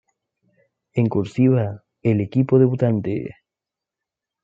En "cursiva" el equipo debutante.